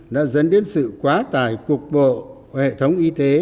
đã dẫn đến sự quá tải cục bộ hệ thống y tế